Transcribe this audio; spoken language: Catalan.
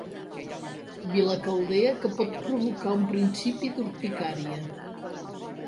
Vila caldea que pot provocar un principi d'urticària.